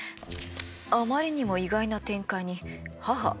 あまりにも意外な展開に母ビックリ。